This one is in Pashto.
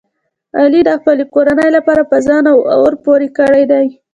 علي د خپلې کورنۍ لپاره په ځان اور پورې کړی دی.